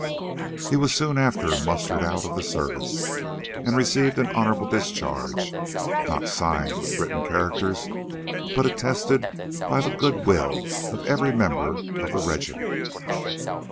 He was soon after mustered out of the service, and received an honorable discharge, not signed with written characters, but attested by the good will of every member of the regiment.